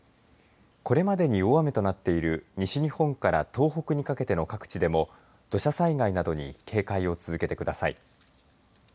これまでに、大雨となっている西日本から東北にかけての各地でも土砂災害などに警戒を続けてください。